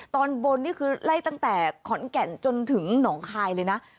ตอนบนนี่คือไล่ตั้งแต่ขอนแก่นจนถึงหนองคายเลยนะ